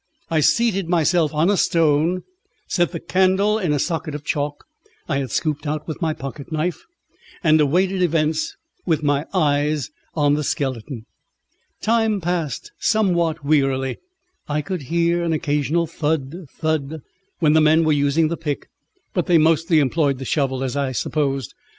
I seated myself on a stone, set the candle in a socket of chalk I had scooped out with my pocket knife, and awaited events with my eyes on the skeleton. Time passed somewhat wearily. I could hear an occasional thud, thud, when the men were using the pick; but they mostly employed the shovel, as I supposed.